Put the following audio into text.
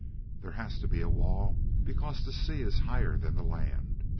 There has to be a wall, because the sea is higher than the land.